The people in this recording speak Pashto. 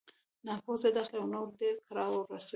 ناپوه ضد اخلي او نور ډېر کړاو رسوي.